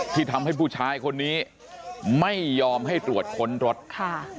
ที่ทำให้ผู้ชายคนนี้ไม่ยอมให้ตรวจค้นรถค่ะ